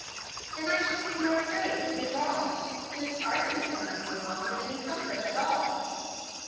"Then I should be more afraid to do wrong. Miss Parton cannot do wrong with any comfort at all."